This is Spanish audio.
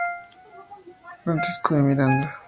Francisco de Miranda.